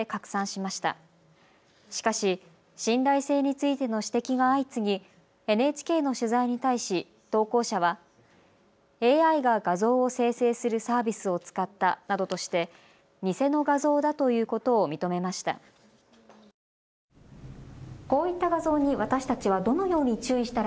しかし、信頼性についての指摘が相次ぎＮＨＫの取材に対し投稿者はＡＩが画像を生成するサービスを使ったなどとして偽の画像だということを認めました。